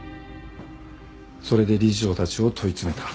それで理事長たちを問い詰めた。